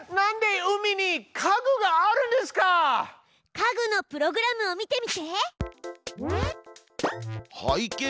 家具のプログラムを見てみて。